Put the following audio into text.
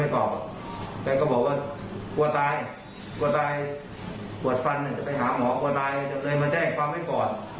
ก็บอกถึงว่าผมรับแจ้งความแล้วนะไม่ตายแล้วล่ะรับแจ้งความแล้วนะ